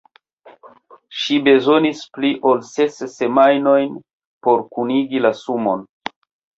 Ŝi bezonis pli ol ses semajnojn por kunigi la sumon.